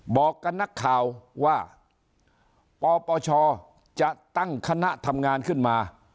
บอกกับนักข่าวว่าปปชจะตั้งคณะทำงานขึ้นมา